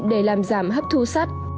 để làm giảm hấp thu sắt